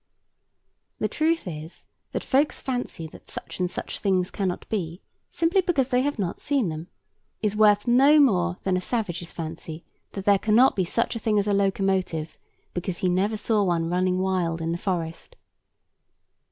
The truth is, that folks' fancy that such and such things cannot be, simply because they have not seen them, is worth no more than a savage's fancy that there cannot be such a thing as a locomotive, because he never saw one running wild in the forest.